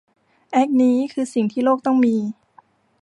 แอคนี้คือสิ่งที่โลกต้องมี